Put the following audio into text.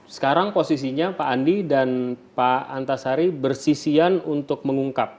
sekarang posisinya pak andi dan pak antasari bersisian untuk mengungkap